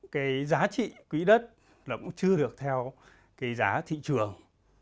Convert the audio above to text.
cái giá trị quỹ đất là cũng chưa được theo cái giá thị trường